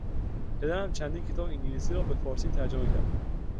پدرم چندین کتاب انگلیسی را به فارسی ترجمه کرد.